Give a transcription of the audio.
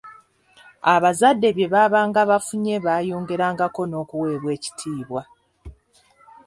Abazadde bye baabanga bafunye baayongerangako n'okuweebwa ekitiibwa.